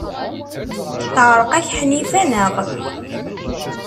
Teɛreq-ak Ḥnifa, naɣ?